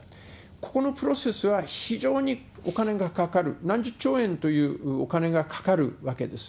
ここのプロセスは非常にお金がかかる、何十兆円というお金がかかるわけです。